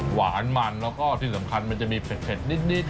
หวานมันแล้วก็ที่สำคัญมันจะมีเผ็ดนิด